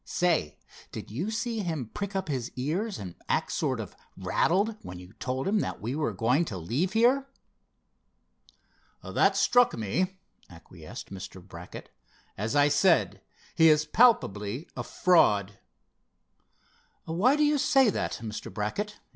Say, did you see him prick up his ears and act sort of rattled, when you told him that we were going to leave here?" "That struck me," acquiesced Mr. Brackett. "As I said, he is palpably a fraud." "Why do you say that, Mr. Brackett?"